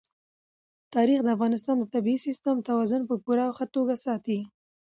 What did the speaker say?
تاریخ د افغانستان د طبعي سیسټم توازن په پوره او ښه توګه ساتي.